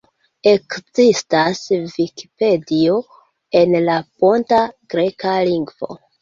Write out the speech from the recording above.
Ekzistas Vikipedio en la ponta greka lingvo.